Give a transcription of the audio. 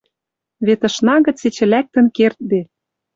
Вет ышна гӹц эче лӓктӹн кердде